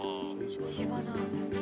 芝だ。